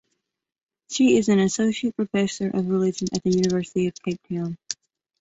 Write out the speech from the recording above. She is an associate professor of religion at the University of Cape Town.